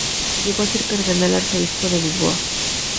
Llegó a ser cardenal-arzobispo de Lisboa.